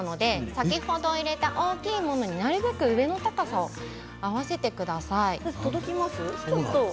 先ほど植えた大きいものになるべく合わせてください。